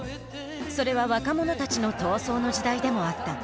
それは若者たちの闘争の時代でもあった。